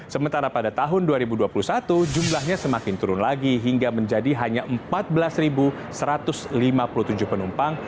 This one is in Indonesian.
sementara pada tahun dua ribu dua puluh satu jumlahnya semakin turun lagi hingga menjadi hanya empat belas satu ratus lima puluh tujuh penumpang